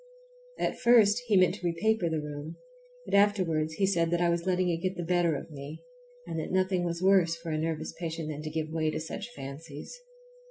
At first he meant to repaper the room, but afterwards he said that I was letting it get the better of me, and that nothing was worse for a nervous patient than to give way to such fancies.